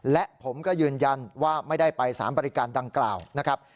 และผมก็ยืนยันว่าไม่ได้ไปสารบริการดังกล่าวนะครับ